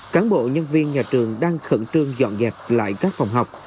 cán bộ nhân viên nhà trường đang khẩn trương dọn dẹp lại các phòng học